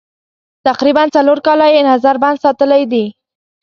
تقریباً څلور کاله یې نظر بند ساتلي دي.